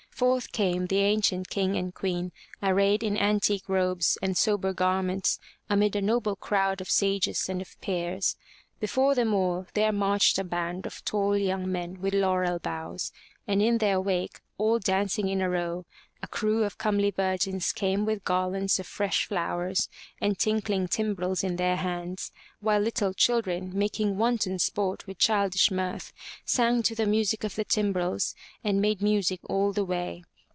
Forth came the ancient King and Queen, arrayed in antique robes and sober garments, amid a noble crowd of sages and of peers. Before them all, there marched a band of tall young men with laurel boughs; and in their wake, all dancing in a row, a crew of comely virgins came with garlands of fresh flowers and tinkling timbrels in their hands, while little children, making wanton sport with childish mirth, sang to the music of the timbrels and made music all the way.